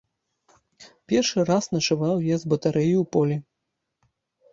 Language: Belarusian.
Першы раз начаваў я з батарэяю ў полі.